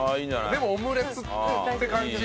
でもオムレツって感じ。